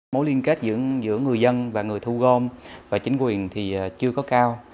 mối liên kết giữa người dân và người thu gom và chính quyền thì chưa có cao